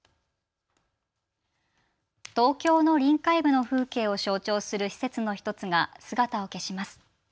東京の臨海部の風景を象徴する施設の１つが姿を消します。